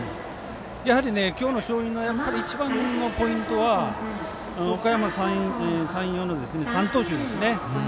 やはり今日の勝因の一番のポイントはおかやま山陽の３投手ですね。